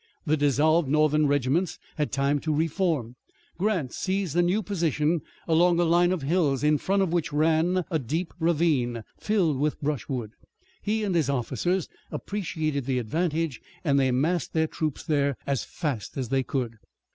The dissolved Northern regiments had time to reform. Grant seized a new position along a line of hills, in front of which ran a deep ravine filled with brushwood. He and his officers appreciated the advantage and they massed the troops there as fast as they could.